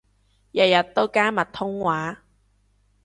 日日都加密通話